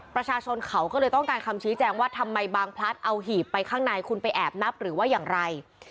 ประชาชนเขาก็เลยต้องการคำชี้แจงว่าทำไมบางพลัดเอาหีบไปข้างในคุณไปแอบนับหรือว่าอย่างไร